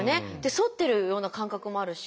反ってるような感覚もあるし。